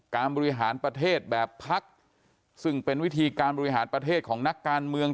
บริหารประเทศแบบพักซึ่งเป็นวิธีการบริหารประเทศของนักการเมือง